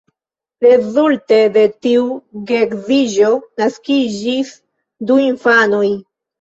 Rezulte de tiu geedziĝo naskiĝis du infanoj.